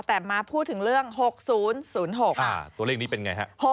แต่มาพูดถึงเรื่อง๖๐๐๖ตัวเลขนี้เป็นไงฮะ